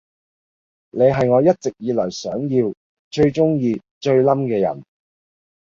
你係我一直以來想要，最鐘意，最冧嘅人